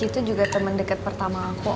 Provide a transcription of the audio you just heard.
rifqi itu juga temen deket pertama aku